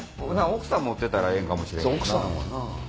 奥さん持ってたらええんかもしれへんな。